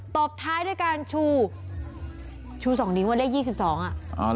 ตบท้ายด้วยการชูชูส่งนี้วันแรก๒๒อ่ะ